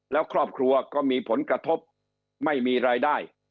แล้วครอบครัวก็มีผลกระทบไม่มีรายได้